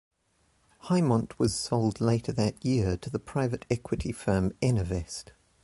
HighMont was sold later that year to the private equity firm EnerVest.